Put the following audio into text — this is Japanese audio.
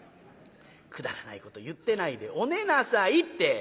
「くだらないこと言ってないでお寝なさいって」。